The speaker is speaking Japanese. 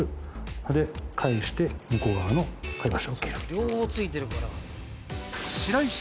それで返して向こう側の貝柱を切る。